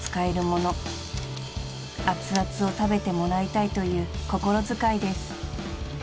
［熱々を食べてもらいたいという心遣いです］